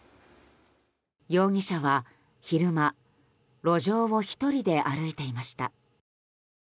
容疑者は昼間路上を１人で歩いていました。